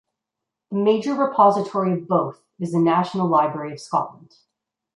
The major repository of both is the National Library of Scotland.